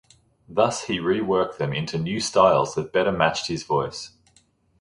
Thus he reworked them into new styles that better matched his voice.